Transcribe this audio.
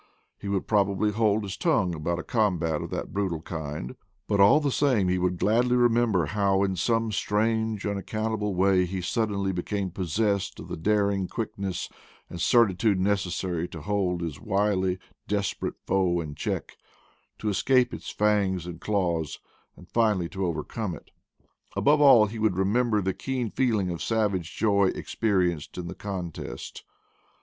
He would 214 IDLE DAYS IN PATAGONIA probably hold his tongue about a combat of that brutal kind, but all the same he Would gladly remember how in some strange, unaccountable way he suddenly became possessed of the daring, quickness, and certitude necessary to hold his wily, desperate foe in check, to escape its fangs and claws, and finally to overcome it. Above all, he would remember the keen feeling of savage joy experienced in the contest.